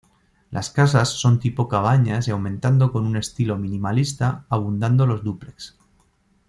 Las casas son tipo cabañas y aumentando con un estilo minimalista abundando los dúplex.